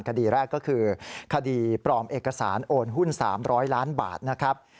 คดีแรกก็คือคดีปลอมเอกสารโอนหุ้น๓๐๐ล้านบาทนะครับ